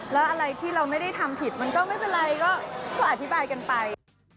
แล้วอะไรที่เราไม่ได้ทำผิดมันก็ไม่เป็นไรก็อธิบายกันไป